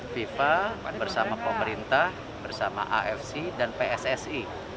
fifa bersama pemerintah bersama afc dan pssi